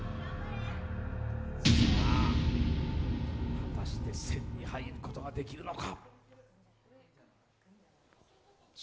果たして１０００に入ることができるのか。